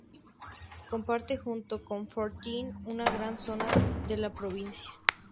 Comparte junto con Fortín una gran zona de la provincia.